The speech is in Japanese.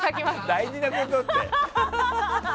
大事なことって。